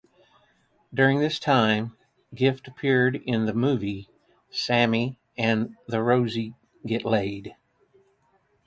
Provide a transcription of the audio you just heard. During this time, Gift appeared in the movie "Sammy and Rosie Get Laid".